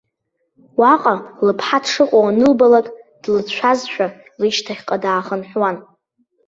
Уаҟа лыԥҳа дшыҟоу анылбалак, длыцәшәазшәа, лышьҭахьҟа даахынҳәуан.